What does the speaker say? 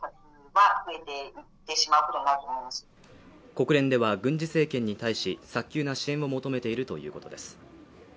国連では軍事政権に対し、早急な支援を求めているということです。